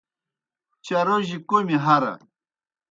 چاروجیْ کوْمی ہرہ۔